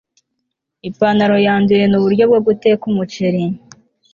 Ipantaro yanduye Nuburyo bwo guteka umuceri